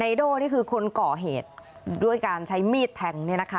โด่นี่คือคนก่อเหตุด้วยการใช้มีดแทงเนี่ยนะคะ